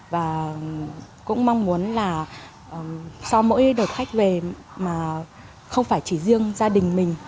và cũng mong muốn là sau mỗi đợt khách về mà không phải chỉ riêng gia đình mình